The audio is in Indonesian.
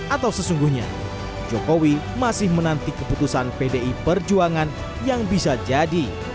atau sesungguhnya jokowi masih menanti keputusan pdi perjuangan yang bisa jadi